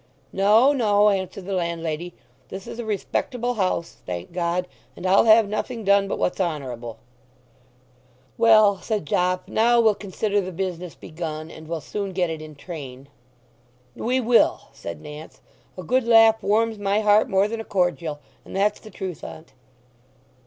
"No, no," answered the landlady. "This is a respectable house, thank God! And I'll have nothing done but what's honourable." "Well," said Jopp; "now we'll consider the business begun, and will soon get it in train." "We will!" said Nance. "A good laugh warms my heart more than a cordial, and that's the truth on't."